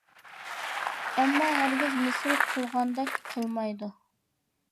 ئەمما ھەرگىز مىسىر قىلغاندەك قىلمايدۇ.